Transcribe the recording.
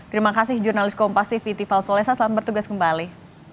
terima kasih jurnalis kompassi viti falsolesa selamat bertugas kembali